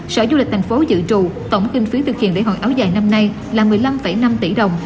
sở du lịch thành phố dự trù tổng kinh phí thực hiện lễ hội áo dài năm nay là một mươi năm năm tỷ đồng